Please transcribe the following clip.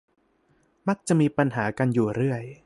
มักจะมีปัญหากันอยู่เรื่อย